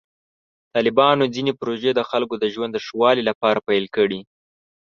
طالبانو ځینې پروژې د خلکو د ژوند د ښه والي لپاره پیل کړې.